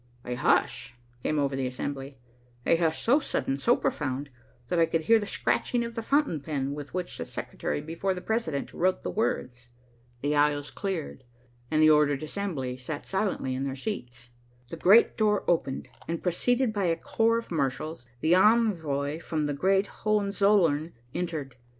A hush came over the assembly, a hush so sudden, so profound, that I could hear the scratching of the fountain pen with which the secretary before the president wrote the words. The aisles cleared, and the ordered assembly sat silently in their seats. The great door opened and, preceded by a corps of marshals, the envoy from the great Hohenzollern entered.